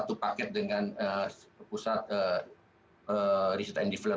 lalu program pelatihan yang kita berikan kepada usaha usaha untuk meningkatkan kualitas karyawannya seperti apa